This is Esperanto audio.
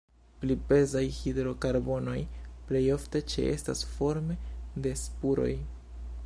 Pli pezaj hidrokarbonoj plej ofte ĉeestas forme de spuroj.